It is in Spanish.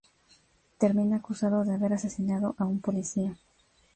Termina acusado de haber asesinado a un policía.